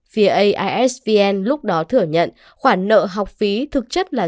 phía aisvn lúc đó thừa nhận khoản nợ học phí thực chất là